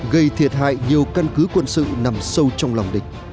gây thiệt hại nhiều căn cứ quân sự nằm sâu trong lòng địch